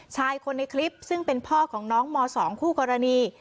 ชายคนในคลิปซึ่งเป็นพ่อของน้องม๒คู่กรณี